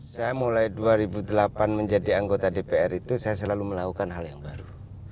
saya mulai dua ribu delapan menjadi anggota dpr itu saya selalu melakukan hal yang baru